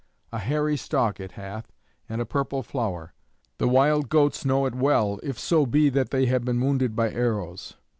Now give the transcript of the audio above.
A hairy stalk it hath and a purple flower. The wild goats know it well if so be that they have been wounded by arrows.